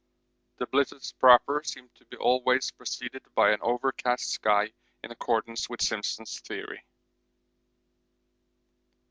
The blizzards proper seem to be always preceded by an overcast sky in accordance with Simpson's theory.